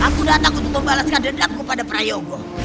aku datang untuk membalaskan dendaku pada prayogo